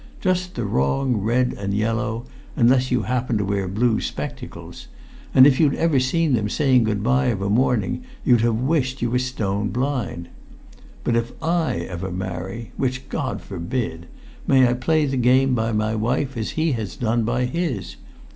Just the wrong red and yellow, unless you happen to wear blue spectacles; and if you'd ever seen them saying good bye of a morning you'd have wished you were stone blind. But if ever I marry which God forbid may I play the game by my wife as he has done by his!